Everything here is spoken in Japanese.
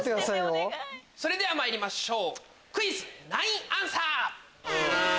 それではまいりましょうクイズナインアンサー！